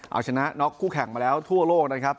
เอาชนะน็อกคู่แข่งมาแล้วทั่วโลกนะครับ